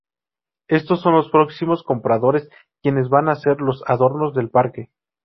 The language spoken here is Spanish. Estos son los próximos compradores quienes van a hacer los adornos del parque.